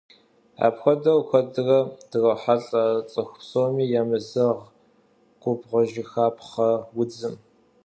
Апхуэдэу куэдрэ дрохьэлӏэ цӏыху псоми емызэгъ губгъуэжыхапхъэ удзым.